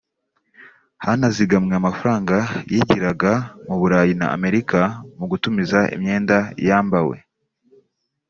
hanazigamwe amafaranga yigiraga mu Burayi na Amerika mu gutumiza imyenda yambawe